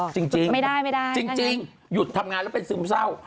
จริงหยุดทำงานแล้วเป็นซึมเศร้า